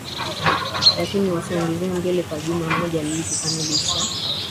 lakini ulisogezwa mbele kwa juma moja ili kukamilisha